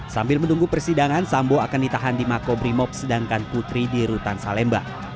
sambil menunggu persidangan sambo akan ditahan di makobrimob sedangkan putri di rutan salemba